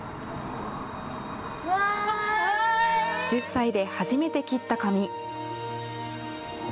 １０歳で初めて切った髪。